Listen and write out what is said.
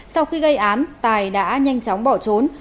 sau khi gây án tài đã nhanh chóng bỏ trốn